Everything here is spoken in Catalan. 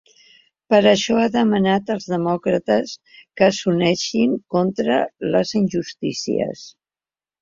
Per això ha demanat als demòcrates que s’uneixin contra les injustícies.